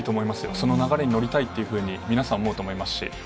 その流れに乗りたいっていうふうに、皆さん、思うと思いますし。